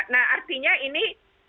nah artinya ini